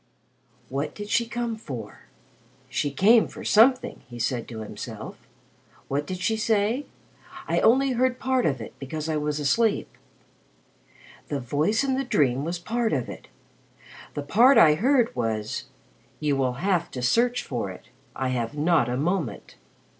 "What did she come for? She came for something," he said to himself. "What did she say? I only heard part of it, because I was asleep. The voice in the dream was part of it. The part I heard was, 'You will have to search for it. I have not a moment.'